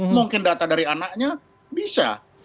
mungkin data dari anaknya bisa